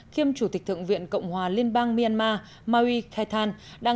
khiêm chủ tịch thượng viện cộng hòa liên bang myanmar marie keitan